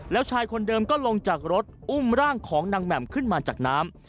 แล้วชายคนเดิมก็ลงจากรถอุ้มร่างของนางแหม่มขึ้นมาจากน้ำ